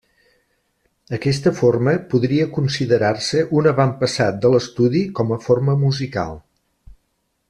Aquesta forma podria considerar-se un avantpassat de l'estudi com a forma musical.